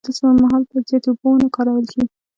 د اودس پر مهال باید زیاتې اوبه و نه کارول شي.